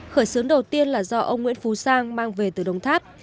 khởi xướng đầu tiên là do ông nguyễn phú sang mang về từ đồng tháp